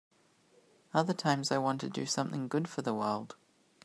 Other times I want to do something good for the world.